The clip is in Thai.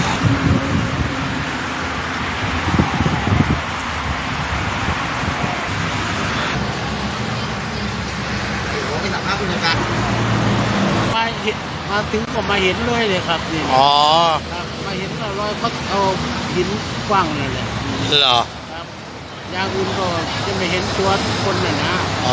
ยาวนุนก็จะไปเห็นตัวคนเลยนะอ๋อ